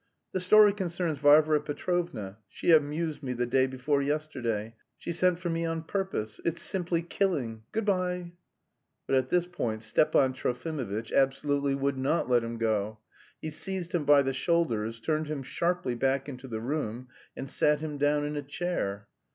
The story concerns Varvara Petrovna. She amused me the day before yesterday; she sent for me on purpose. It's simply killing. Good bye." But at this Stepan Trofimovitch absolutely would not let him go. He seized him by the shoulders, turned him sharply back into the room, and sat him down in a chair.